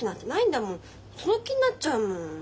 その気になっちゃうもん。